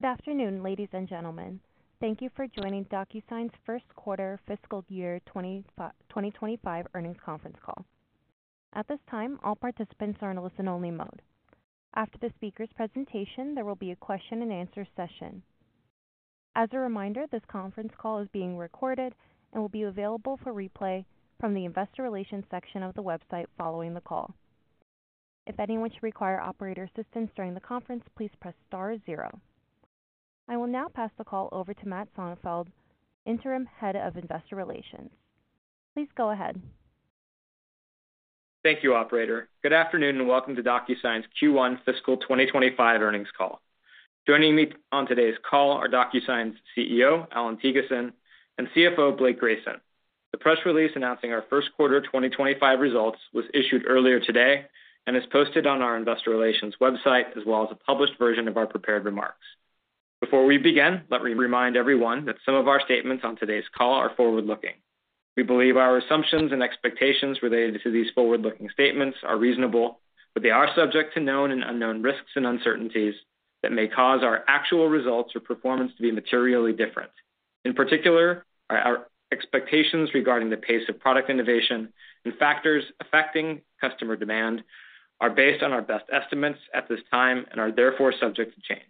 Good afternoon, ladies and gentlemen. Thank you for joining DocuSign's Q1 fiscal year 2025 Earnings Conference Call. At this time, all participants are in listen-only mode. After the speaker's presentation, there will be a question and answer session. As a reminder, this conference call is being recorded and will be available for replay from the investor relations section of the website following the call. If anyone should require operator assistance during the conference, please press star zero. I will now pass the call over to Matt Sonefeldt, Interim Head of Investor Relations. Please go ahead. Thank you, operator. Good afternoon, and welcome to DocuSign's Q1 fiscal 2025 earnings call. Joining me on today's call are DocuSign's CEO, Allan Thygesen, and CFO, Blake Grayson. The press release announcing our Q1 2025 results was issued earlier today and is posted on our investor relations website, as well as a published version of our prepared remarks. Before we begin, let me remind everyone that some of our statements on today's call are forward-looking. We believe our assumptions and expectations related to these forward-looking statements are reasonable, but they are subject to known and unknown risks and uncertainties that may cause our actual results or performance to be materially different. In particular, our, our expectations regarding the pace of product innovation and factors affecting customer demand are based on our best estimates at this time and are therefore subject to change.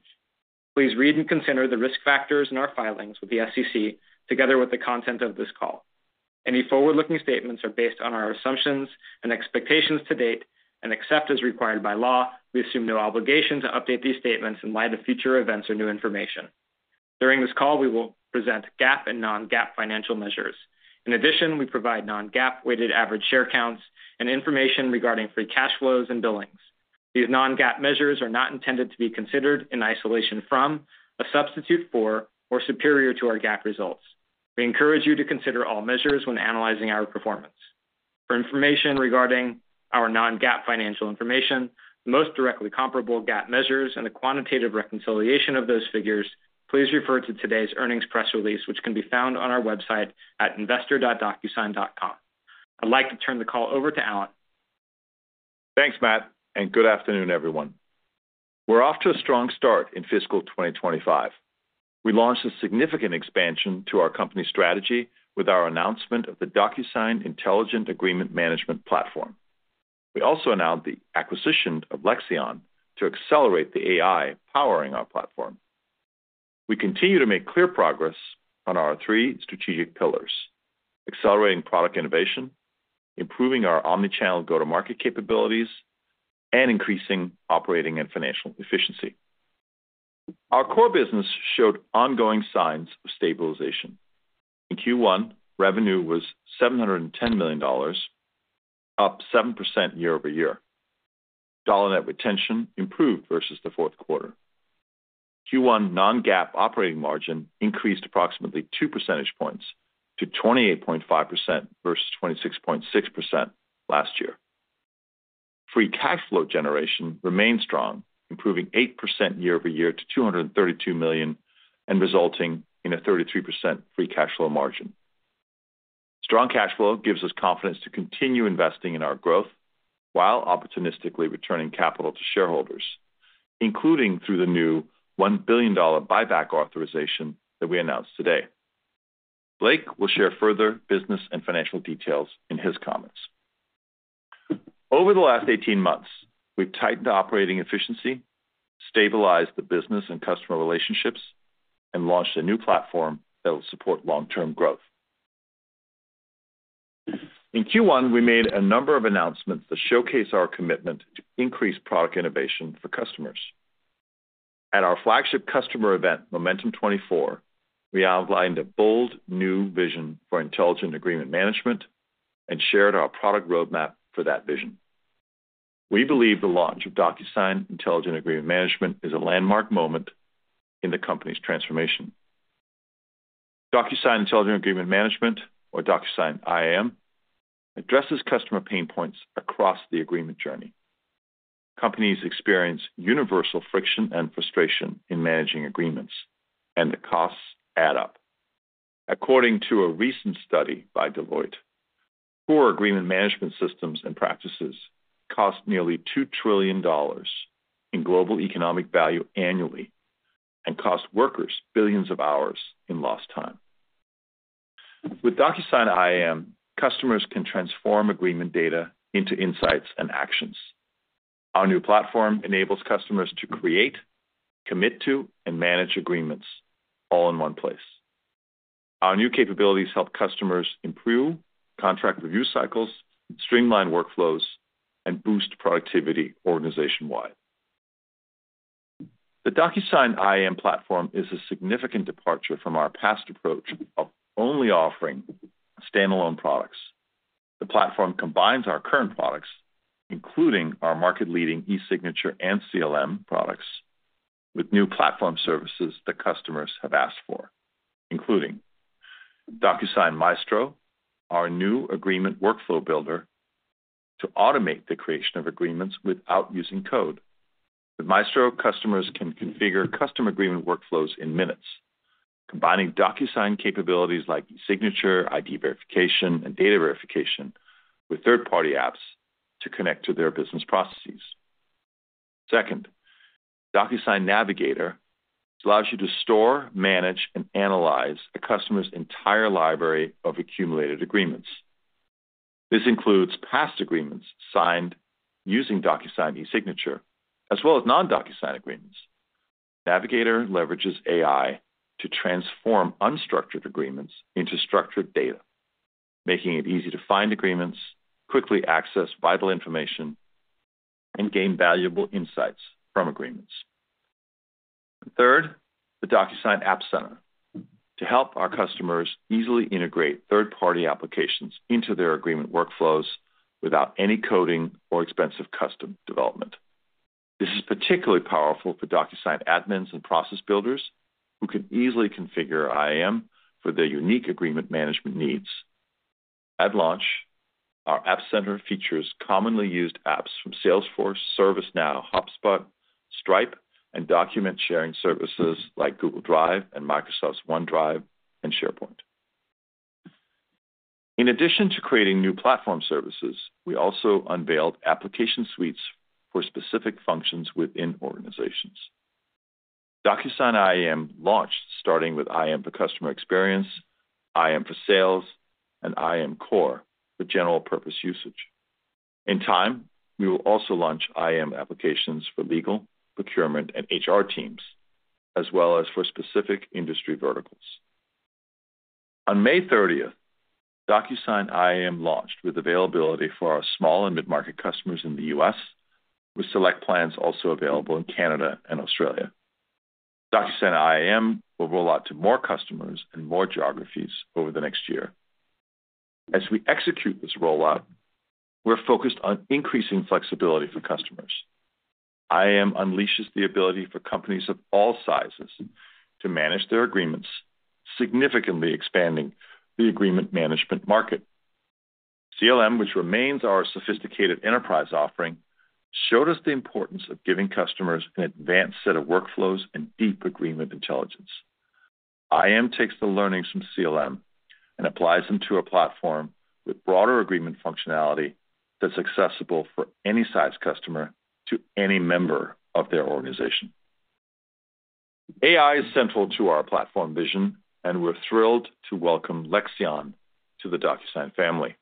Please read and consider the risk factors in our filings with the SEC, together with the content of this call. Any forward-looking statements are based on our assumptions and expectations to date, and except as required by law, we assume no obligation to update these statements in light of future events or new information. During this call, we will present GAAP and non-GAAP financial measures. In addition, we provide non-GAAP weighted average share counts and information regarding free cash flows and billings. These non-GAAP measures are not intended to be considered in isolation from, a substitute for, or superior to our GAAP results. We encourage you to consider all measures when analyzing our performance. For information regarding our non-GAAP financial information, the most directly comparable GAAP measures, and a quantitative reconciliation of those figures, please refer to today's earnings press release, which can be found on our website at investor.DocuSign.com. I'd like to turn the call over to Allan. Thanks, Matt, and good afternoon, everyone. We're off to a strong start in fiscal 2025. We launched a significant expansion to our company strategy with our announcement of the DocuSign Intelligent Agreement Management platform. We also announced the acquisition of Lexion to accelerate the AI powering our platform. We continue to make clear progress on our three strategic pillars: accelerating product innovation, improving our omni-channel go-to-market capabilities, and increasing operating and financial efficiency. Our core business showed ongoing signs of stabilization. In Q1, revenue was $710 million, up 7% year-over-year. Dollar net retention improved versus the Q4. Q1 non-GAAP operating margin increased approximately two percentage points to 28.5% versus 26.6% last year. Free cash flow generation remained strong, improving 8% year-over-year to $232 million, and resulting in a 33% free cash flow margin. Strong cash flow gives us confidence to continue investing in our growth while opportunistically returning capital to shareholders, including through the new $1 billion buyback authorization that we announced today. Blake will share further business and financial details in his comments. Over the last 18 months, we've tightened operating efficiency, stabilized the business and customer relationships, and launched a new platform that will support long-term growth. In Q1, we made a number of announcements that showcase our commitment to increase product innovation for customers. At our flagship customer event, Momentum 24, we outlined a bold new vision for Intelligent Agreement Management and shared our product roadmap for that vision. We believe the launch of DocuSign Intelligent Agreement Management is a landmark moment in the company's transformation. DocuSign Intelligent Agreement Management, or DocuSign IAM, addresses customer pain points across the agreement journey. Companies experience universal friction and frustration in managing agreements, and the costs add up. According to a recent study by Deloitte, poor agreement management systems and practices cost nearly $2 trillion in global economic value annually and cost workers billions of hours in lost time. With DocuSign IAM, customers can transform agreement data into insights and actions. Our new platform enables customers to create, commit to, and manage agreements all in one place. Our new capabilities help customers improve contract review cycles, streamline workflows, and boost productivity organization-wide. The DocuSign IAM platform is a significant departure from our past approach of only offering standalone products. The platform combines our current products, including our market-leading eSignature and CLM products, with new platform services that customers have asked for, including DocuSign Maestro, our new agreement workflow builder, to automate the creation of agreements without using code. With Maestro, customers can configure custom agreement workflows in minutes... combining DocuSign capabilities like eSignature, ID verification, and data verification with third-party apps to connect to their business processes. Second, DocuSign Navigator allows you to store, manage, and analyze a customer's entire library of accumulated agreements. This includes past agreements signed using DocuSign eSignature, as well as non-DocuSign agreements. Navigator leverages AI to transform unstructured agreements into structured data, making it easy to find agreements, quickly access vital information, and gain valuable insights from agreements. Third, the DocuSign App Center to help our customers easily integrate third-party applications into their agreement workflows without any coding or expensive custom development. This is particularly powerful for DocuSign admins and process builders, who can easily configure IAM for their unique agreement management needs. At launch, our App Center features commonly used apps from Salesforce, ServiceNow, HubSpot, Stripe, and document-sharing services like Google Drive and Microsoft's OneDrive and SharePoint. In addition to creating new platform services, we also unveiled application suites for specific functions within organizations. DocuSign IAM launched, starting with IAM for Customer Experience, IAM for Sales, and IAM Core for general purpose usage. In time, we will also launch IAM applications for legal, procurement, and HR teams, as well as for specific industry verticals. On May thirtieth, DocuSign IAM launched with availability for our small and mid-market customers in the U.S., with select plans also available in Canada and Australia. DocuSign IAM will roll out to more customers and more geographies over the next year. As we execute this rollout, we're focused on increasing flexibility for customers. IAM unleashes the ability for companies of all sizes to manage their agreements, significantly expanding the agreement management market. CLM, which remains our sophisticated enterprise offering, showed us the importance of giving customers an advanced set of workflows and deep agreement intelligence. IAM takes the learnings from CLM and applies them to a platform with broader agreement functionality that's accessible for any size customer to any member of their organization. AI is central to our platform vision, and we're thrilled to welcome Lexion to the DocuSign family.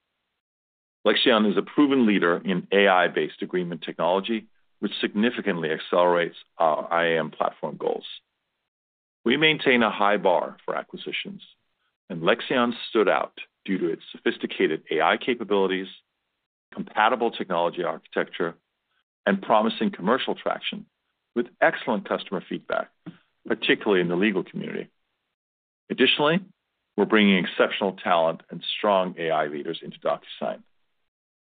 Lexion is a proven leader in AI-based agreement technology, which significantly accelerates our IAM platform goals. We maintain a high bar for acquisitions, and Lexion stood out due to its sophisticated AI capabilities, compatible technology architecture, and promising commercial traction with excellent customer feedback, particularly in the legal community. Additionally, we're bringing exceptional talent and strong AI leaders into DocuSign.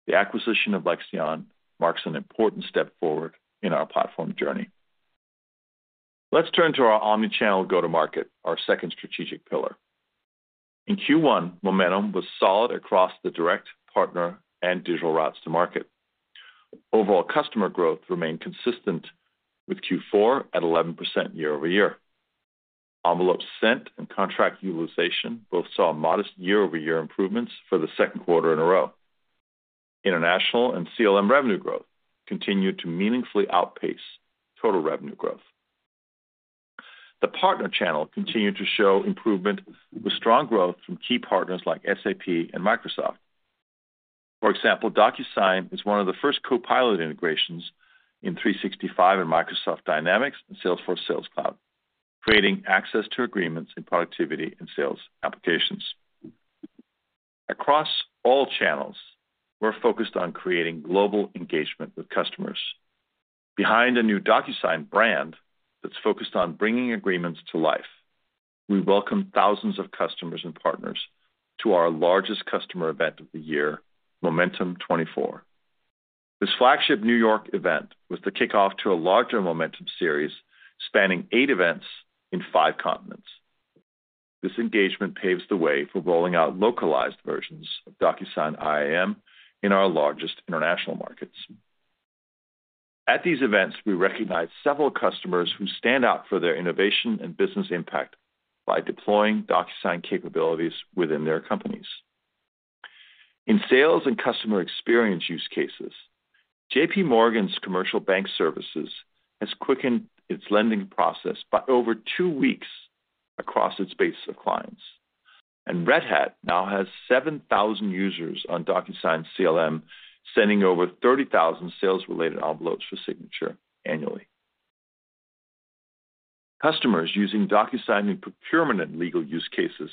The acquisition of Lexion marks an important step forward in our platform journey. Let's turn to our omni-channel go-to-market, our second strategic pillar. In Q1, momentum was solid across the direct, partner, and digital routes to market. Overall customer growth remained consistent with Q4 at 11% year-over-year. Envelope sent and contract utilization both saw modest year-over-year improvements for the Q2 in a row. International and CLM revenue growth continued to meaningfully outpace total revenue growth. The partner channel continued to show improvement with strong growth from key partners like SAP and Microsoft. For example, DocuSign is one of the first copilot integrations in 365 in Microsoft Dynamics and Salesforce Sales Cloud, creating access to agreements in productivity and sales applications. Across all channels, we're focused on creating global engagement with customers. Behind the new DocuSign brand that's focused on bringing agreements to life, we welcome thousands of customers and partners to our largest customer event of the year, Momentum 2024. This flagship New York event was the kickoff to a larger momentum series spanning eight events in five continents. This engagement paves the way for rolling out localized versions of DocuSign IAM in our largest international markets. At these events, we recognize several customers who stand out for their innovation and business impact by deploying DocuSign capabilities within their companies. In sales and customer experience use cases, JP Morgan's commercial bank services has quickened its lending process by over two weeks across its base of clients. Red Hat now has 7,000 users on DocuSign CLM, sending over 30,000 sales-related envelopes for signature annually. Customers using DocuSign in procurement and legal use cases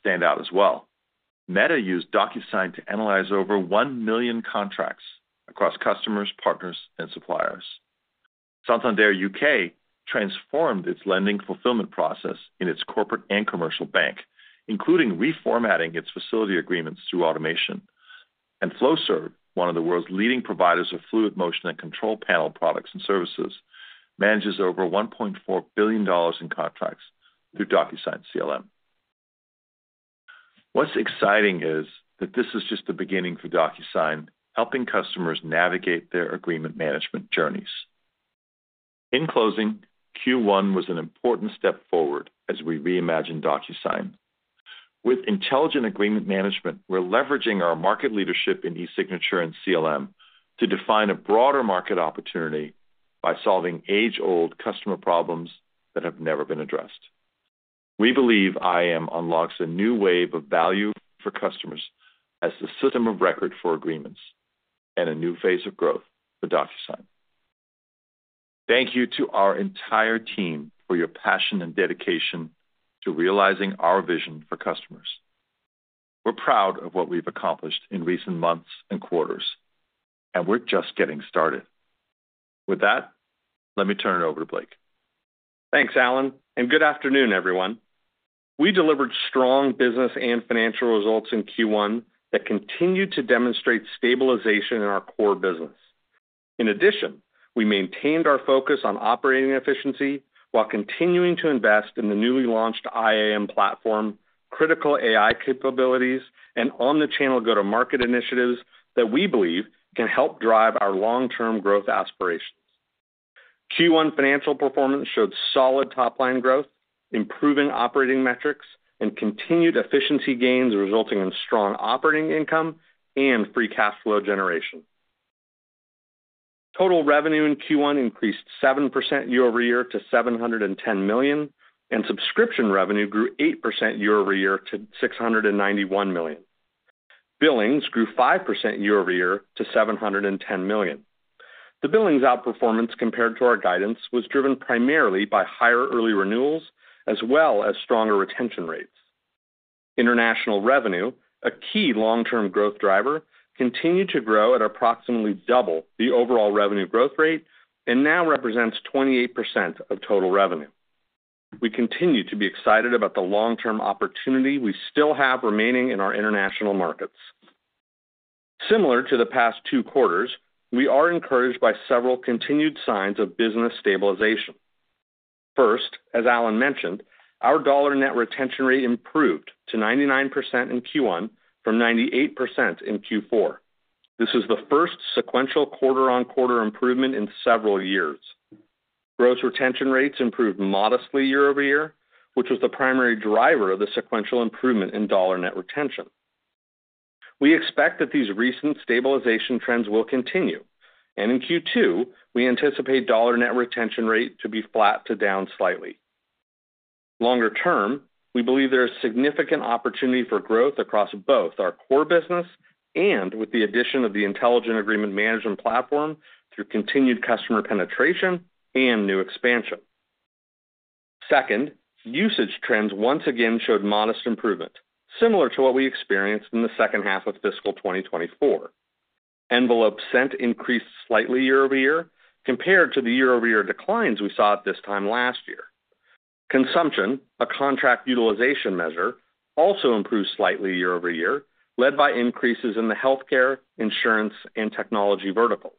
stand out as well. Meta used DocuSign to analyze over 1 million contracts across customers, partners, and suppliers. Santander UK transformed its lending fulfillment process in its corporate and commercial bank, including reformatting its facility agreements through automation. And Flowserve, one of the world's leading providers of fluid motion and control panel products and services, manages over $1.4 billion in contracts through DocuSign CLM. What's exciting is that this is just the beginning for DocuSign, helping customers navigate their agreement management journeys. In closing, Q1 was an important step forward as we reimagine DocuSign. With Intelligent Agreement Management, we're leveraging our market leadership in eSignature and CLM to define a broader market opportunity by solving age-old customer problems that have never been addressed. We believe IAM unlocks a new wave of value for customers as the system of record for agreements and a new phase of growth for DocuSign. Thank you to our entire team for your passion and dedication to realizing our vision for customers. We're proud of what we've accomplished in recent months and quarters, and we're just getting started. With that, let me turn it over to Blake. Thanks, Allan, and good afternoon, everyone. We delivered strong business and financial results in Q1 that continued to demonstrate stabilization in our core business. In addition, we maintained our focus on operating efficiency while continuing to invest in the newly launched IAM platform, critical AI capabilities, and on-the-channel go-to-market initiatives that we believe can help drive our long-term growth aspirations. Q1 financial performance showed solid top-line growth, improving operating metrics, and continued efficiency gains, resulting in strong operating income and free cash flow generation. Total revenue in Q1 increased 7% year over year to $710 million, and subscription revenue grew 8% year over year to $691 million. Billings grew 5% year over year to $710 million. The billings outperformance compared to our guidance was driven primarily by higher early renewals as well as stronger retention rates. International revenue, a key long-term growth driver, continued to grow at approximately double the overall revenue growth rate and now represents 28% of total revenue. We continue to be excited about the long-term opportunity we still have remaining in our international markets. Similar to the past two quarters, we are encouraged by several continued signs of business stabilization. First, as Allan mentioned, our Dollar Net Retention rate improved to 99% in Q1 from 98% in Q4. This is the first sequential quarter-on-quarter improvement in several years. Gross retention rates improved modestly year-over-year, which was the primary driver of the sequential improvement in Dollar Net Retention. We expect that these recent stabilization trends will continue, and in Q2, we anticipate Dollar Net Retention rate to be flat to down slightly. Longer term, we believe there is significant opportunity for growth across both our core business and with the addition of the Intelligent Agreement Management platform through continued customer penetration and new expansion. Second, usage trends once again showed modest improvement, similar to what we experienced in the second half of fiscal 2024. Envelopes sent increased slightly year-over-year compared to the year-over-year declines we saw at this time last year. Consumption, a contract utilization measure, also improved slightly year-over-year, led by increases in the healthcare, insurance, and technology verticals.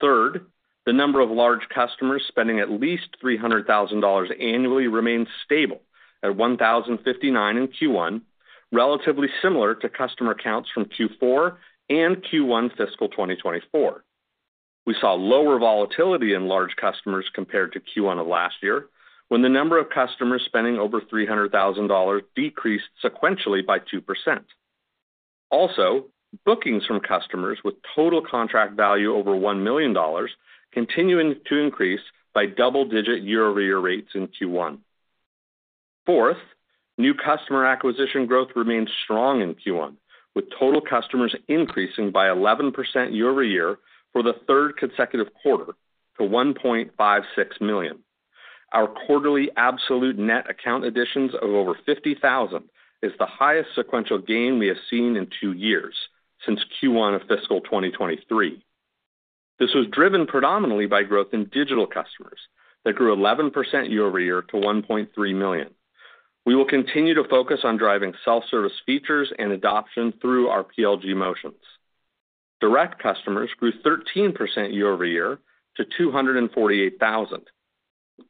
Third, the number of large customers spending at least $300,000 annually remains stable at 1,059 in Q1, relatively similar to customer counts from Q4 and Q1 fiscal 2024. We saw lower volatility in large customers compared to Q1 of last year, when the number of customers spending over $300,000 decreased sequentially by 2%. Also, bookings from customers with total contract value over $1 million continuing to increase by double-digit year-over-year rates in Q1. Fourth, new customer acquisition growth remains strong in Q1, with total customers increasing by 11% year over year for the third consecutive quarter to 1.56 million. Our quarterly absolute net account additions of over 50,000 is the highest sequential gain we have seen in two years since Q1 of fiscal 2023. This was driven predominantly by growth in digital customers that grew 11% year over year to 1.3 million. We will continue to focus on driving self-service features and adoption through our PLG motions. Direct customers grew 13% year-over-year to 248,000.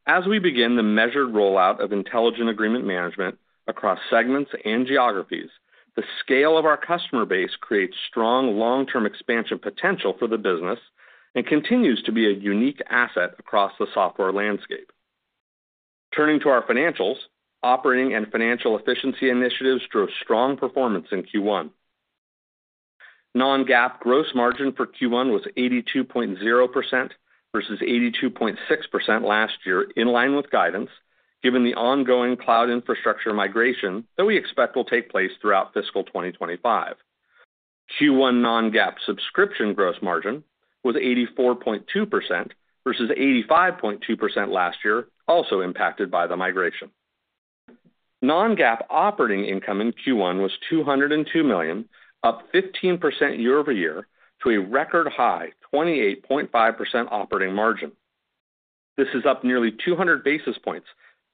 As we begin the measured rollout of Intelligent Agreement Management across segments and geographies, the scale of our customer base creates strong long-term expansion potential for the business and continues to be a unique asset across the software landscape. Turning to our financials, operating and financial efficiency initiatives drove strong performance in Q1. Non-GAAP gross margin for Q1 was 82.0% versus 82.6% last year, in line with guidance, given the ongoing cloud infrastructure migration that we expect will take place throughout fiscal 2025. Q1 non-GAAP subscription gross margin was 84.2% versus 85.2% last year, also impacted by the migration. Non-GAAP operating income in Q1 was $202 million, up 15% year-over-year to a record high 28.5% operating margin. This is up nearly 200 basis points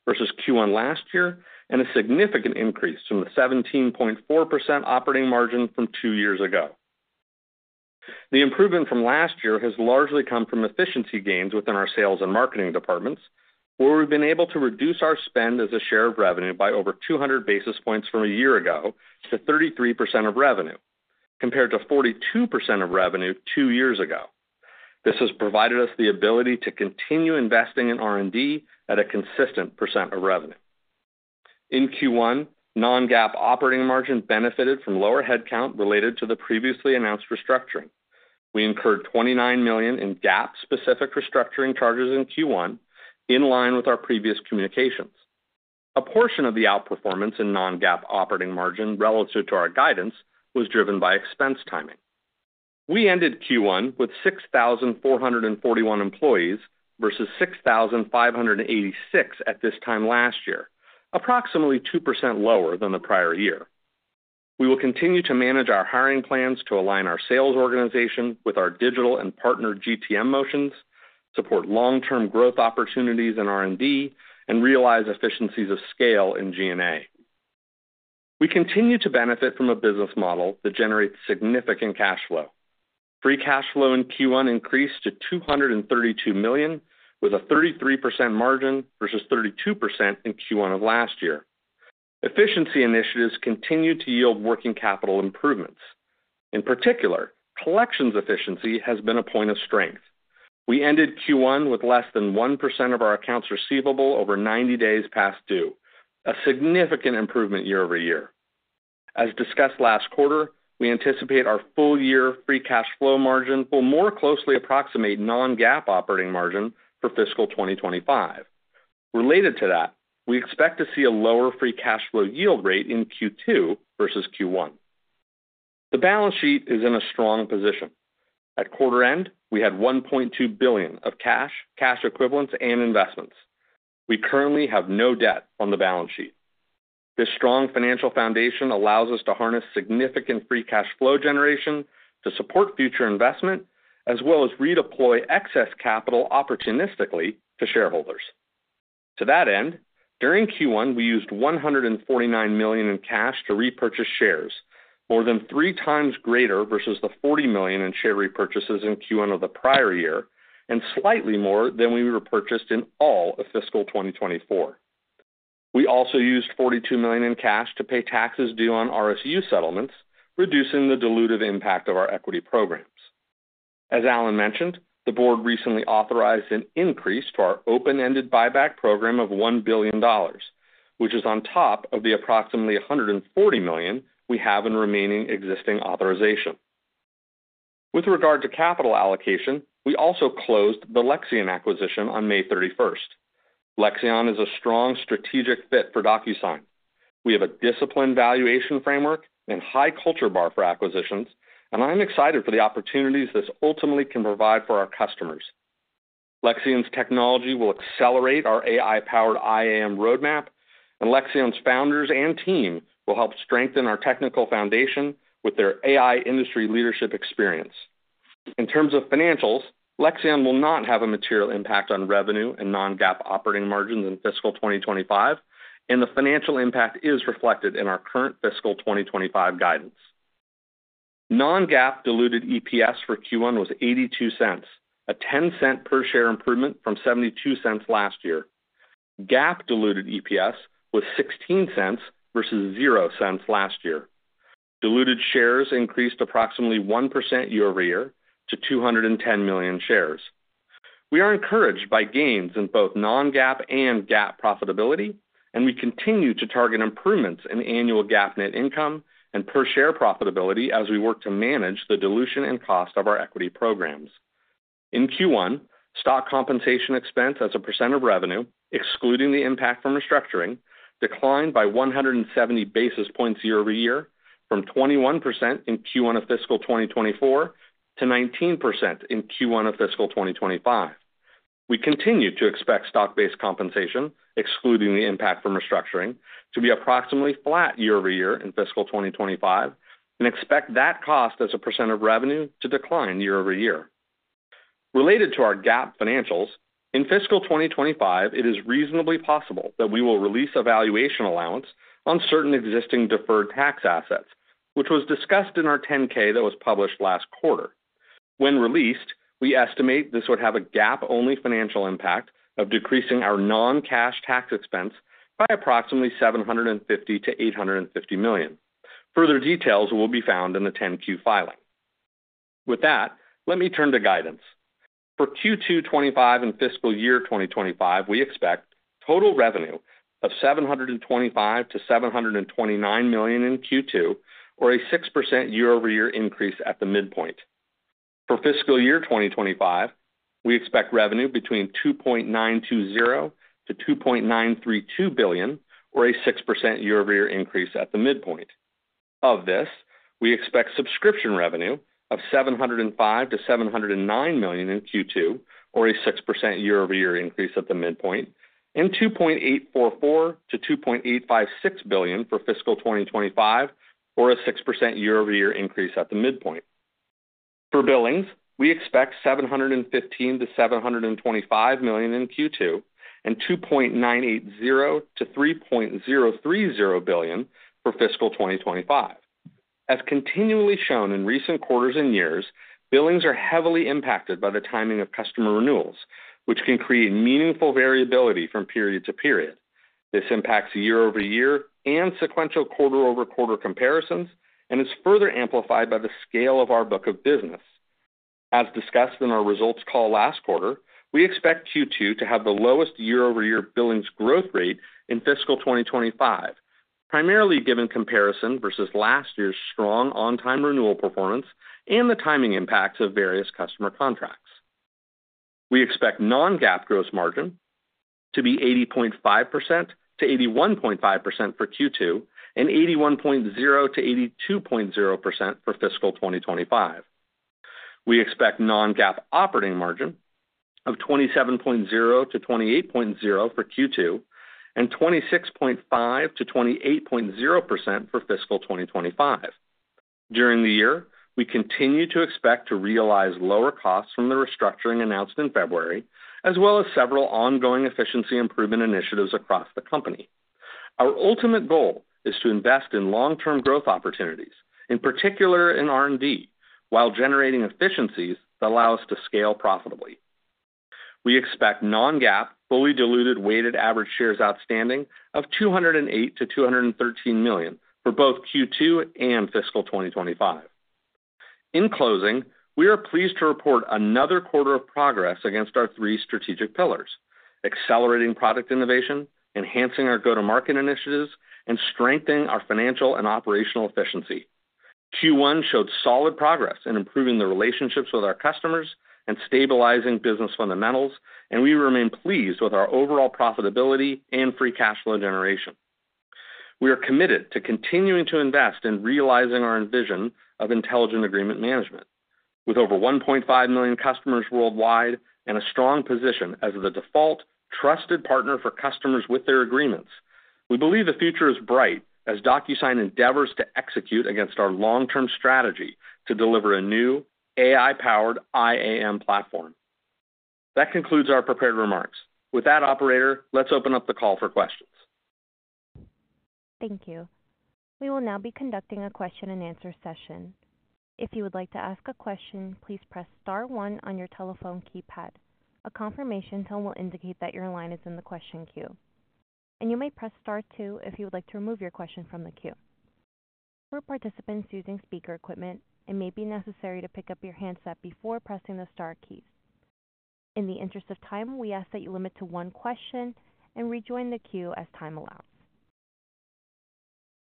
versus Q1 last year and a significant increase from the 17.4% operating margin from two years ago. The improvement from last year has largely come from efficiency gains within our sales and marketing departments, where we've been able to reduce our spend as a share of revenue by over 200 basis points from a year ago to 33% of revenue, compared to 42% of revenue two years ago. This has provided us the ability to continue investing in R&D at a consistent percent of revenue. In Q1, non-GAAP operating margin benefited from lower headcount related to the previously announced restructuring. We incurred $29 million in GAAP-specific restructuring charges in Q1, in line with our previous communications. A portion of the outperformance in non-GAAP operating margin relative to our guidance was driven by expense timing. We ended Q1 with 6,441 employees versus 6,586 at this time last year, approximately 2% lower than the prior year. We will continue to manage our hiring plans to align our sales organization with our digital and partner GTM motions, support long-term growth opportunities in R&D, and realize efficiencies of scale in G&A. We continue to benefit from a business model that generates significant cash flow. Free cash flow in Q1 increased to $232 million, with a 33% margin versus 32% in Q1 of last year. Efficiency initiatives continue to yield working capital improvements. In particular, collections efficiency has been a point of strength. We ended Q1 with less than 1% of our accounts receivable over 90 days past due, a significant improvement year-over-year. As discussed last quarter, we anticipate our full year free cash flow margin will more closely approximate non-GAAP operating margin for fiscal 2025. Related to that, we expect to see a lower free cash flow yield rate in Q2 versus Q1. The balance sheet is in a strong position. At quarter end, we had $1.2 billion of cash, cash equivalents, and investments. We currently have no debt on the balance sheet. This strong financial foundation allows us to harness significant free cash flow generation to support future investment, as well as redeploy excess capital opportunistically to shareholders. To that end, during Q1, we used $149 million in cash to repurchase shares, more than three times greater versus the $40 million in share repurchases in Q1 of the prior year, and slightly more than we repurchased in all of fiscal 2024. We also used $42 million in cash to pay taxes due on RSU settlements, reducing the dilutive impact of our equity programs. As Allan mentioned, the board recently authorized an increase to our open-ended buyback program of $1 billion, which is on top of the approximately $140 million we have in remaining existing authorization. With regard to capital allocation, we also closed the Lexion acquisition on May 31. Lexion is a strong strategic fit for DocuSign. We have a disciplined valuation framework and high culture bar for acquisitions, and I'm excited for the opportunities this ultimately can provide for our customers. Lexion's technology will accelerate our AI-powered IAM roadmap, and Lexion's founders and team will help strengthen our technical foundation with their AI industry leadership experience. In terms of financials, Lexion will not have a material impact on revenue and non-GAAP operating margins in fiscal 2025, and the financial impact is reflected in our current fiscal 2025 guidance. Non-GAAP diluted EPS for Q1 was $0.82, a $0.10 per share improvement from $0.72 last year. GAAP diluted EPS was $0.16 versus $0.00 last year. Diluted shares increased approximately 1% year over year to 210 million shares. We are encouraged by gains in both non-GAAP and GAAP profitability, and we continue to target improvements in annual GAAP net income and per share profitability as we work to manage the dilution and cost of our equity programs. In Q1, stock compensation expense as a percent of revenue, excluding the impact from restructuring, declined by 170 basis points year over year, from 21% in Q1 of fiscal 2024 to 19% in Q1 of fiscal 2025. We continue to expect stock-based compensation, excluding the impact from restructuring, to be approximately flat year over year in fiscal 2025 and expect that cost as a percent of revenue to decline year over year. Related to our GAAP financials, in fiscal 2025, it is reasonably possible that we will release a valuation allowance on certain existing deferred tax assets, which was discussed in our 10-K that was published last quarter. When released, we estimate this would have a GAAP-only financial impact of decreasing our non-cash tax expense by approximately $750 million-$850 million. Further details will be found in the 10-Q filing. With that, let me turn to guidance. For Q2 2025 and fiscal year 2025, we expect total revenue of $725 million-$729 million in Q2, or a 6% year-over-year increase at the midpoint. For fiscal year 2025, we expect revenue between $2.920 billion-$2.932 billion, or a 6% year-over-year increase at the midpoint. Of this, we expect subscription revenue of $705 million-$709 million in Q2, or a 6% year-over-year increase at the midpoint, and $2.844 billion-$2.856 billion for fiscal 2025, or a 6% year-over-year increase at the midpoint. For billings, we expect $715 million-$725 million in Q2 and $2.980 billion-$3.030 billion for fiscal 2025.... As continually shown in recent quarters and years, billings are heavily impacted by the timing of customer renewals, which can create meaningful variability from period to period. This impacts year-over-year and sequential quarter-over-quarter comparisons and is further amplified by the scale of our book of business. As discussed in our results call last quarter, we expect Q2 to have the lowest year-over-year billings growth rate in fiscal 2025, primarily given comparison versus last year's strong on-time renewal performance and the timing impacts of various customer contracts. We expect non-GAAP gross margin to be 80.5%-81.5% for Q2, and 81.0%-82.0% for fiscal 2025. We expect non-GAAP operating margin of 27.0-28.0 for Q2, and 26.5-28.0% for fiscal 2025. During the year, we continue to expect to realize lower costs from the restructuring announced in February, as well as several ongoing efficiency improvement initiatives across the company. Our ultimate goal is to invest in long-term growth opportunities, in particular in R&D, while generating efficiencies that allow us to scale profitably. We expect non-GAAP, fully diluted weighted average shares outstanding of 208-213 million for both Q2 and fiscal 2025. In closing, we are pleased to report another quarter of progress against our three strategic pillars, accelerating product innovation, enhancing our go-to-market initiatives, and strengthening our financial and operational efficiency. Q1 showed solid progress in improving the relationships with our customers and stabilizing business fundamentals, and we remain pleased with our overall profitability and free cash flow generation. We are committed to continuing to invest in realizing our vision of Intelligent Agreement Management. With over 1.5 million customers worldwide and a strong position as the default trusted partner for customers with their agreements, we believe the future is bright as DocuSign endeavors to execute against our long-term strategy to deliver a new AI-powered IAM platform. That concludes our prepared remarks. With that, operator, let's open up the call for questions. Thank you. We will now be conducting a question-and-answer session. If you would like to ask a question, please press star one on your telephone keypad. A confirmation tone will indicate that your line is in the question queue, and you may press star two if you would like to remove your question from the queue. For participants using speaker equipment, it may be necessary to pick up your handset before pressing the star keys. In the interest of time, we ask that you limit to one question and rejoin the queue as time allows.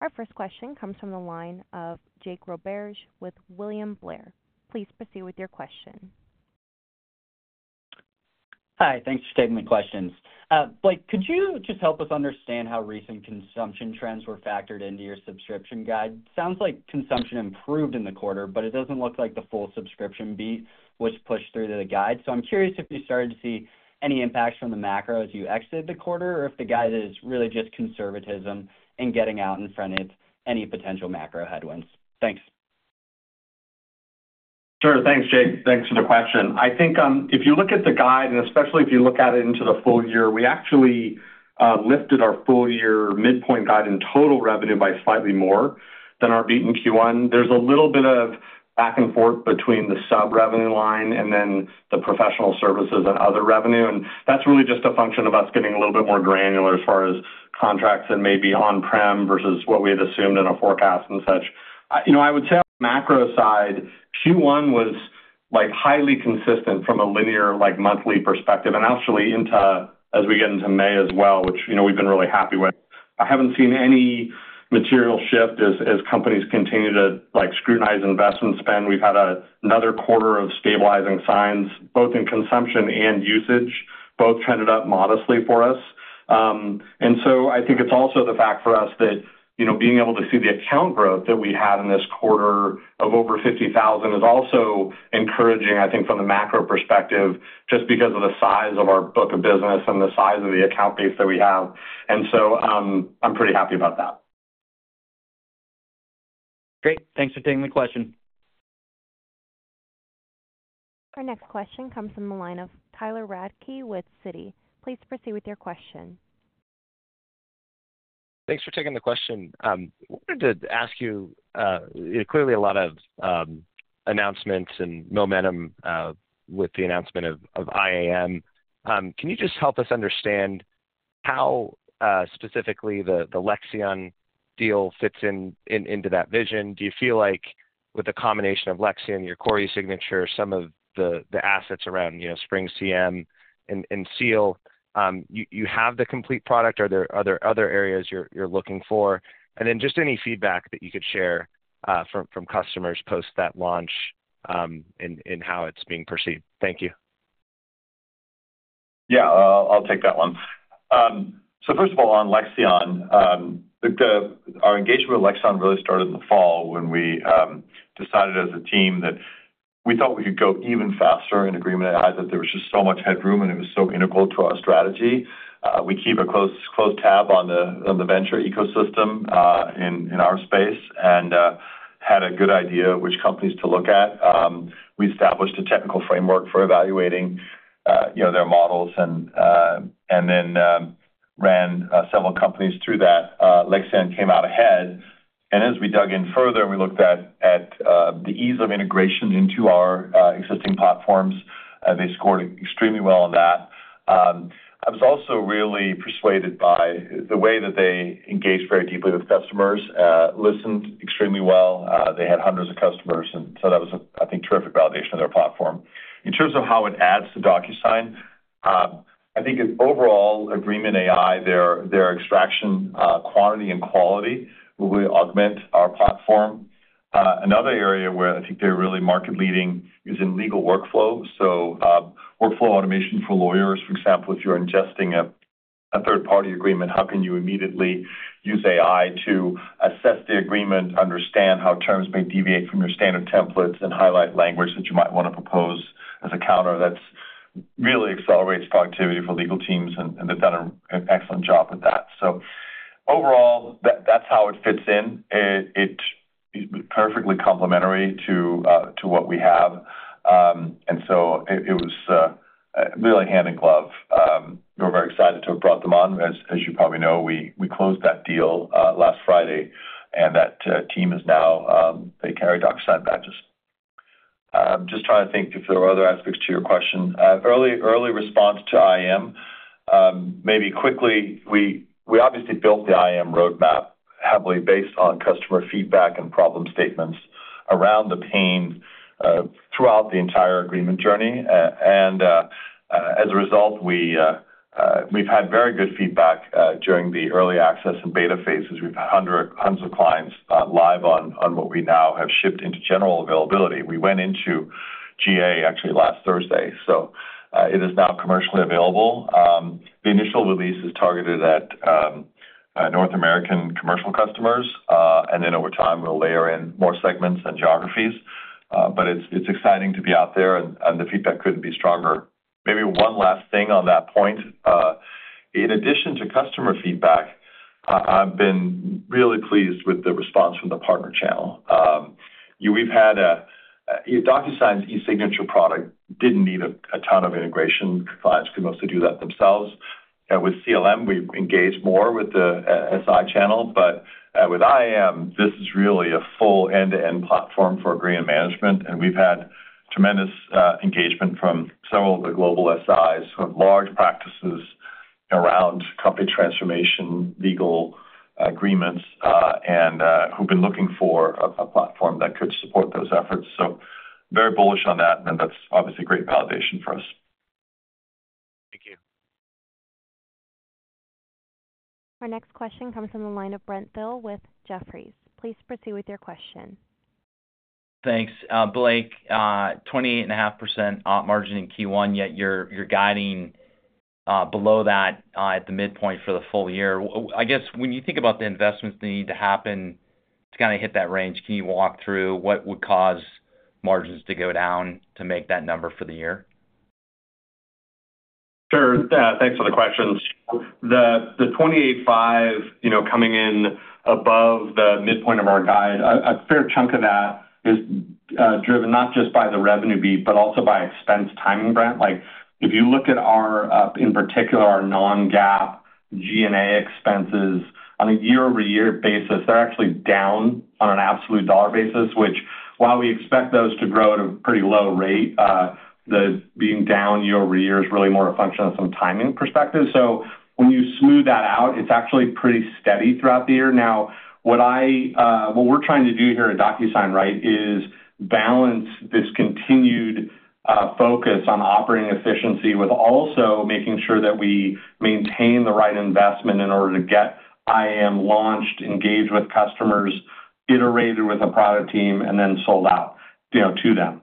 Our first question comes from the line of Jake Roberge with William Blair. Please proceed with your question. Hi, thanks for taking the questions. Blake, could you just help us understand how recent consumption trends were factored into your subscription guide? Sounds like consumption improved in the quarter, but it doesn't look like the full subscription beat was pushed through to the guide. So I'm curious if you started to see any impacts from the macro as you exited the quarter, or if the guide is really just conservatism and getting out in front of any potential macro headwinds. Thanks. Sure. Thanks, Jake. Thanks for the question. I think, if you look at the guide, and especially if you look at it into the full year, we actually, lifted our full-year midpoint guide in total revenue by slightly more than our beat in Q1. There's a little bit of back and forth between the sub-revenue line and then the professional services and other revenue, and that's really just a function of us getting a little bit more granular as far as contracts and maybe on-prem versus what we had assumed in our forecast and such. You know, I would say on the macro side, Q1 was, like, highly consistent from a linear, like, monthly perspective, and actually into, as we get into May as well, which, you know, we've been really happy with. I haven't seen any material shift as companies continue to, like, scrutinize investment spend. We've had another quarter of stabilizing signs, both in consumption and usage, both trended up modestly for us. And so I think it's also the fact for us that, you know, being able to see the account growth that we had in this quarter of over 50,000 is also encouraging, I think, from the macro perspective, just because of the size of our book of business and the size of the account base that we have. And so, I'm pretty happy about that. Great. Thanks for taking the question. Our next question comes from the line of Tyler Radke with Citi. Please proceed with your question. Thanks for taking the question. Wanted to ask you, clearly, a lot of announcements and momentum with the announcement of IAM. Can you just help us understand how specifically the Lexion deal fits into that vision? Do you feel like with the combination of Lexion, your eSignature, some of the assets around, you know, SpringCM and Seal, you have the complete product? Are there other areas you're looking for? And then just any feedback that you could share from customers post that launch and how it's being perceived. Thank you. Yeah, I'll take that one. So first of all, on Lexion, our engagement with Lexion really started in the fall when we decided as a team that we thought we could go even faster in agreement that there was just so much headroom, and it was so integral to our strategy. We keep a close, close tab on the venture ecosystem in our space and had a good idea which companies to look at. We established a technical framework for evaluating, you know, their models, and then,... ran several companies through that. Lexion came out ahead. As we dug in further, we looked at the ease of integration into our existing platforms, and they scored extremely well on that. I was also really persuaded by the way that they engaged very deeply with customers, listened extremely well. They had hundreds of customers, and so that was a, I think, terrific validation of their platform. In terms of how it adds to DocuSign, I think its overall agreement AI, their extraction, quantity and quality will really augment our platform. Another area where I think they're really market leading is in legal workflow. So, workflow automation for lawyers, for example, if you're ingesting a third-party agreement, how can you immediately use AI to assess the agreement, understand how terms may deviate from your standard templates, and highlight language that you might wanna propose as a counter that's really accelerates productivity for legal teams, and they've done an excellent job with that. So overall, that's how it fits in. It perfectly complementary to what we have. And so it was really hand in glove. We're very excited to have brought them on. As you probably know, we closed that deal last Friday, and that team is now they carry DocuSign badges. I'm just trying to think if there are other aspects to your question. Early response to IAM, maybe quickly, we obviously built the IAM roadmap heavily based on customer feedback and problem statements around the pain throughout the entire agreement journey. And we've had very good feedback during the early access and beta phases. We've had hundreds of clients live on what we now have shipped into general availability. We went into GA actually last Thursday, so it is now commercially available. The initial release is targeted at North American commercial customers, and then over time, we'll layer in more segments and geographies. But it's exciting to be out there, and the feedback couldn't be stronger. Maybe one last thing on that point. In addition to customer feedback, I've been really pleased with the response from the partner channel. We've had DocuSign's eSignature product didn't need a ton of integration. Clients could mostly do that themselves. And with CLM, we've engaged more with the SI channel, but with IAM, this is really a full end-to-end platform for agreement management, and we've had tremendous engagement from several of the global SIs, who have large practices around company transformation, legal agreements, and who've been looking for a platform that could support those efforts. So very bullish on that, and that's obviously great validation for us. Thank you. Our next question comes from the line of Brent Thill with Jefferies. Please proceed with your question. Thanks. Blake, 28.5% op margin in Q1, yet you're guiding below that at the midpoint for the full year. I guess when you think about the investments that need to happen to kind of hit that range, can you walk through what would cause margins to go down to make that number for the year? Sure. Yeah, thanks for the question. The 285, you know, coming in above the midpoint of our guide, a fair chunk of that is driven not just by the revenue beat, but also by expense timing, Brent. Like, if you look at our, in particular, our non-GAAP G&A expenses on a year-over-year basis, they're actually down on an absolute dollar basis, which, while we expect those to grow at a pretty low rate, the being down year over year is really more a function of some timing perspective. So when you smooth that out, it's actually pretty steady throughout the year. Now, what I what we're trying to do here at DocuSign, right, is balance this continued focus on operating efficiency, with also making sure that we maintain the right investment in order to get IAM launched, engaged with customers, iterated with a product team, and then sold out, you know, to them.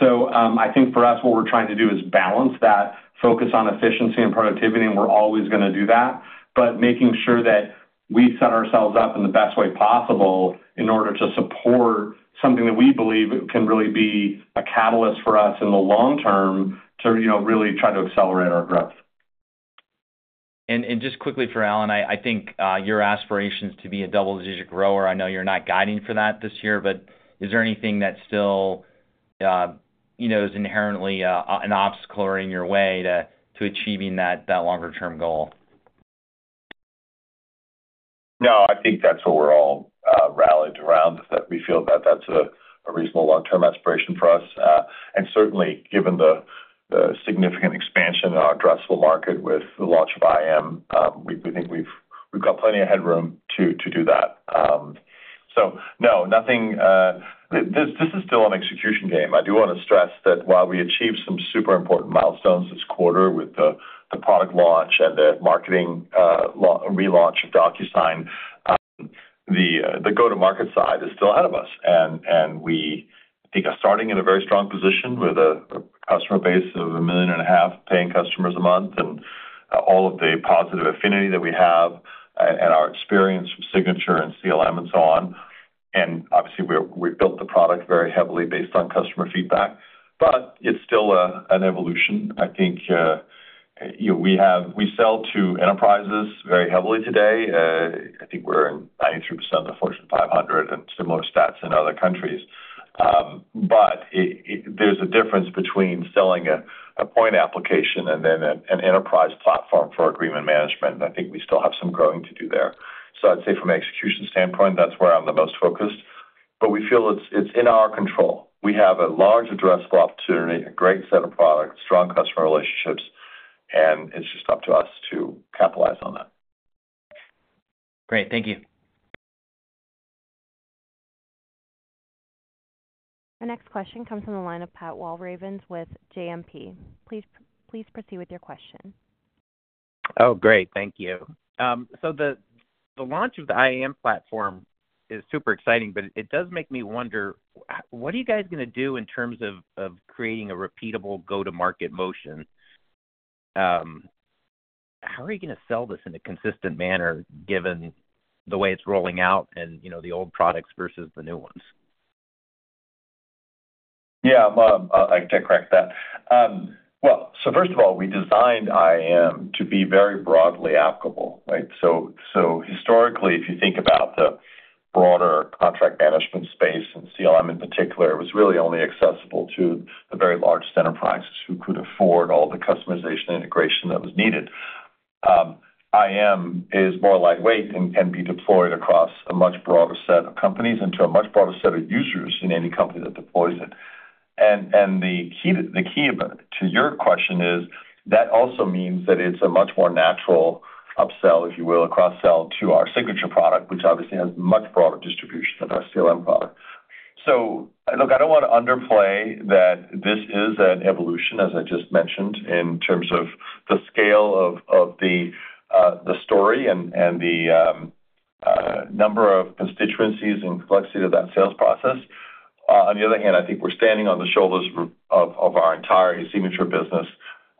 So, I think for us, what we're trying to do is balance that focus on efficiency and productivity, and we're always gonna do that, but making sure that we set ourselves up in the best way possible in order to support something that we believe can really be a catalyst for us in the long term to, you know, really try to accelerate our growth. Just quickly for Allan, I think your aspirations to be a double-digit grower. I know you're not guiding for that this year, but is there anything that still, you know, is inherently an obstacle or in your way to achieving that longer term goal? No, I think that's what we're all rallied around, that we feel that that's a reasonable long-term aspiration for us. And certainly, given the significant expansion in our addressable market with the launch of IAM, we think we've got plenty of headroom to do that. So no, nothing. This is still an execution game. I do wanna stress that while we achieved some super important milestones this quarter with the product launch and the marketing relaunch of DocuSign, the go-to-market side is still ahead of us, and we think we're starting in a very strong position with a customer base of 1.5 million paying customers a month, and all of the positive affinity that we have and our experience with signature and CLM and so on. Obviously, we've built the product very heavily based on customer feedback, but it's still an evolution. I think we sell to enterprises very heavily today. I think we're in 93% of the Fortune 500 and similar stats in other countries. But there's a difference between selling a point application and then an enterprise platform for agreement management, and I think we still have some growing to do there. So I'd say from an execution standpoint, that's where I'm the most focused. But we feel it's in our control. We have a large addressable opportunity, a great set of products, strong customer relationships, and it's just up to us to capitalize on that. Great. Thank you. Our next question comes from the line of Pat Walravens with JMP. Please, please proceed with your question. Oh, great. Thank you. So the launch of the IAM platform is super exciting, but it does make me wonder, what are you guys gonna do in terms of creating a repeatable go-to-market motion? How are you gonna sell this in a consistent manner, given the way it's rolling out and, you know, the old products versus the new ones? Yeah, Bob, I'd like to correct that. Well, so first of all, we designed IAM to be very broadly applicable, right? So, historically, if you think about the broader contract management space, and CLM, in particular, it was really only accessible to the very large enterprises who could afford all the customization and integration that was needed. IAM is more lightweight and can be deployed across a much broader set of companies and to a much broader set of users in any company that deploys it. And the key to your question is that also means that it's a much more natural upsell, if you will, a cross-sell to our signature product, which obviously has much broader distribution than our CLM product. So look, I don't want to underplay that this is an evolution, as I just mentioned, in terms of the scale of the story and the number of constituencies and complexity of that sales process. On the other hand, I think we're standing on the shoulders of our entire signature business,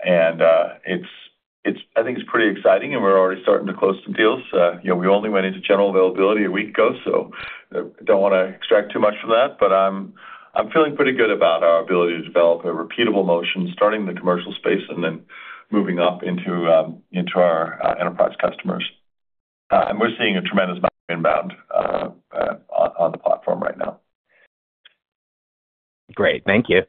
and it's. I think it's pretty exciting, and we're already starting to close some deals. You know, we only went into general availability a week ago, so I don't wanna extract too much from that, but I'm feeling pretty good about our ability to develop a repeatable motion, starting in the commercial space and then moving up into our enterprise customers. And we're seeing a tremendous amount inbound on the platform right now. Great. Thank you.